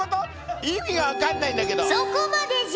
そこまでじゃ。